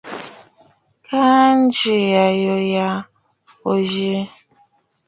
Ka ŋyi aghɔ̀ɔ̀ yâ, òo yə̂.